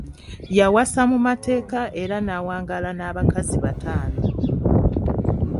Yawasa mu mateeka era n'awangaala n'abakazi bataano.